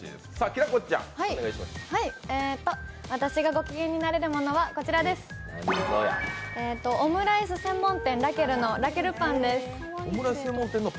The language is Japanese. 私がごきげんになれるものはオムライス専門店ラケルのラケルパンです。